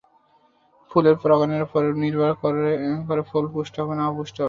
ফুলের পরাগায়নের ওপর নির্ভর করে ফল পুষ্ট না অপুষ্ট হবে।